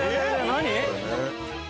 何？